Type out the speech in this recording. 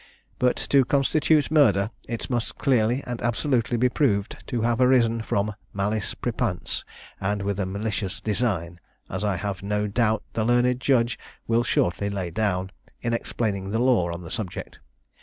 But to constitute murder, it must clearly and absolutely be proved to have arisen from malice prepense, and with a malicious design, as I have no doubt the learned judge will shortly lay down, in explaining the law on the subject.